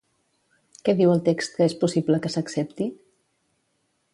Què diu el text que és possible que s'accepti?